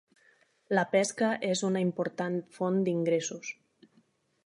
La pesca és una important font d'ingressos.